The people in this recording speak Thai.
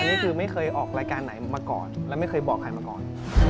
นี่คือไม่เคยออกรายการไหนมาก่อนและไม่เคยบอกใครมาก่อน